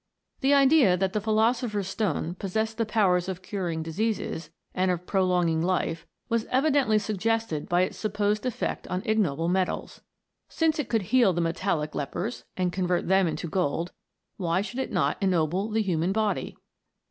The idea that the philosopher's stone possessed the powers of curing diseases, and of prolonging life, was evidently suggested by its supposed effect on ignoble metals. Since it could heal the metallic lepers, and convert them into gold, why should it not ennoble the human body